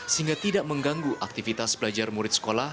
sehingga tidak mengganggu aktivitas belajar murid sekolah